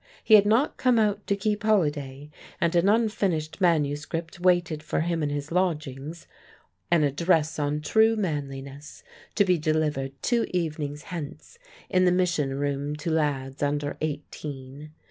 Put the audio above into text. He had not come out to keep holiday, and an unfinished manuscript waited for him in his lodgings an address on True Manliness, to be delivered two evenings hence in the Mission Room to lads under eighteen.